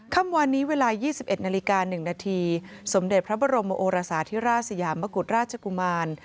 เมื่อวานนี้เวลา๒๑นาฬิกา๑นาทีสมเด็จพระบรมโอรสาธิราชสยามกุฎราชกุมาร